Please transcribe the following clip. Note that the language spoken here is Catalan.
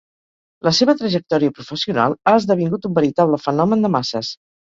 La seva trajectòria professional ha esdevingut un veritable fenomen de masses.